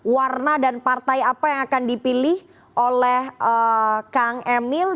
warna dan partai apa yang akan dipilih oleh kang emil